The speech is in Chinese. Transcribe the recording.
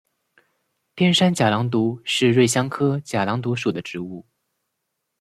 天山假狼毒是瑞香科假狼毒属的植物。